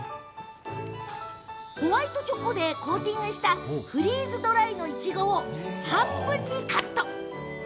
ホワイトチョコでコーティングしたフリーズドライのいちごを半分にカット。